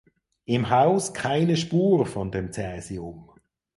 Im Haus keine Spur von dem Cäsium.